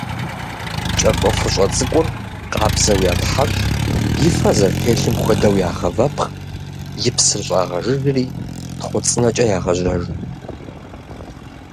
Кӏэртӏофыщӏэ цӏыкӏур къабзэу ятхьэщӏ, и фэр зэрытелъым хуэдэу ягъэвэпхъ, и псыр щӏагъэжыжри тхъуцӏынэкӏэ ягъэжьэж.